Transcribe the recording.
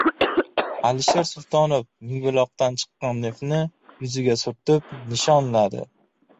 Alisher Sultonov Mingbuloqdan chiqqan neftni yuziga surtib nishonladi